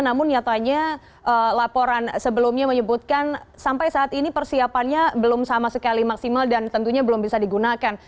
namun nyatanya laporan sebelumnya menyebutkan sampai saat ini persiapannya belum sama sekali maksimal dan tentunya belum bisa digunakan